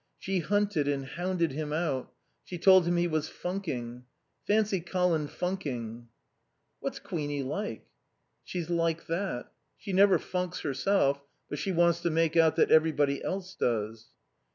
She hunted and hounded him out. She told him he was funking. Fancy Colin funking!" "What's Queenie like?" "She's like that. She never funks herself, but she wants to make out that everybody else does."